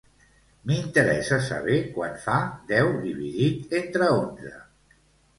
M'interessa saber quant fa deu dividit entre onze.